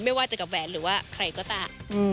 ไม่ว่าจะกับแหวนหรือว่าใครก็ตาม